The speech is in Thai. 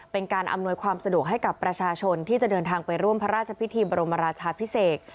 เป็นการอำนวยความสะดวกให้กับประชาชนที่จะเดินทางไปร่วมพระราชพิธีบรมราชาพิเศษ